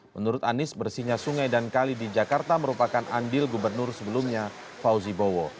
menurut anies bersihnya sungai dan kali di jakarta merupakan andil gubernur sebelumnya fauzi bowo